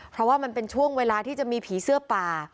เพราะว่ามันเป็นช่วงเวลาที่จะมีผีเสื้อป่า